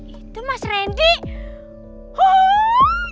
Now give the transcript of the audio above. itu mas randy